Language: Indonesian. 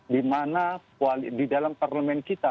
di mana di dalam parlemen kita